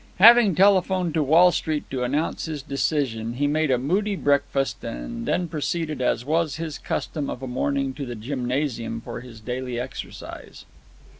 Having telephoned to Wall Street to announce his decision, he made a moody breakfast and then proceeded, as was his custom of a morning, to the gymnasium for his daily exercise.